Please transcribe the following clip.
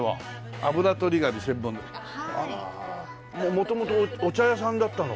元々お茶屋さんだったのかな？